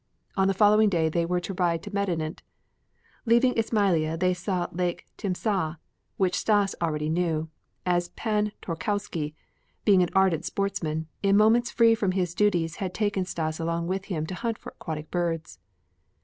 On the following day they were to ride to Medinet. Leaving Ismailia they saw Lake Timsâh which Stas already knew, as Pan Tarkowski, being an ardent sportsman, in moments free from his duties had taken Stas along with him to hunt for aquatic birds.